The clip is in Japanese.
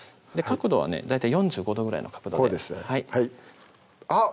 角度はね大体４５度ぐらいの角度でこうですねはいあっ！